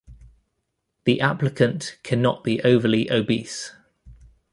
The applicant can not be overly obese.